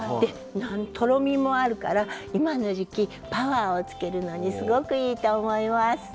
とろみもあるから今の時期パワーをつけるのにすごくいいと思います。